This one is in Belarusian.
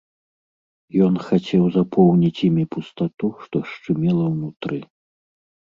Ён хацеў запоўніць імі пустату, што шчымела ўнутры.